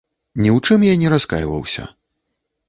Ні ў чым я не раскайваўся.